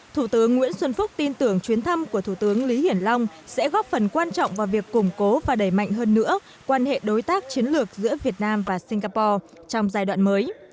thủ tướng nguyễn xuân phúc tin tưởng chuyến thăm của thủ tướng lý hiển long sẽ góp phần quan trọng vào việc củng cố và đẩy mạnh hơn nữa quan hệ đối tác chiến lược giữa việt nam và singapore trong giai đoạn mới